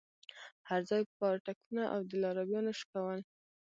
هرځاى پاټکونه او د لارويانو شکول.